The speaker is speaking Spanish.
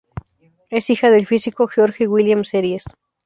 Es hija del físico George William Series.